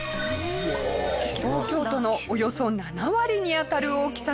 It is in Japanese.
東京都のおよそ７割にあたる大きさの砂丘。